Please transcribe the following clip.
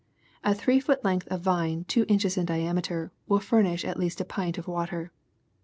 A three foot length of vine two inches in diameter will furnish at least a pint of water.